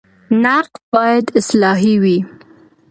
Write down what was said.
نقد باید اصلاحي وي